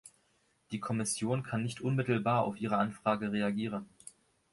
Die Kommission kann nicht unmittelbar auf Ihre Anfrage reagieren.